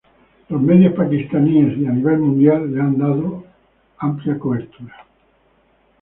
Los medios pakistaníes y a nivel mundial le han dado amplia cobertura.